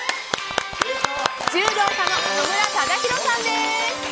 柔道家の野村忠宏さんです！